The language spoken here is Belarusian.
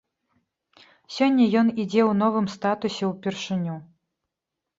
Сёння ён ідзе ў новым статусе ўпершыню.